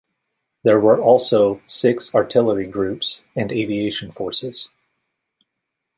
There were also six artillery groups, and aviation forces.